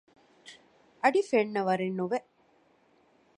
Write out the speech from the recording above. އަޑި ފެންނަވަރެއް ނުވެ